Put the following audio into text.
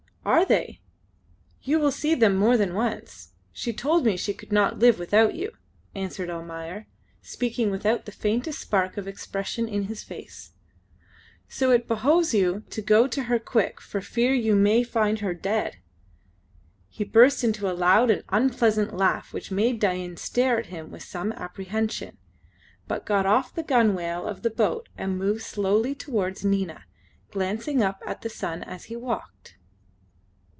"Are they? You will see them more than once. She told me she could not live without you," answered Almayer, speaking without the faintest spark of expression in his face, "so it behoves you to go to her quick, for fear you may find her dead." He burst into a loud and unpleasant laugh which made Dain stare at him with some apprehension, but got off the gunwale of the boat and moved slowly towards Nina, glancing up at the sun as he walked.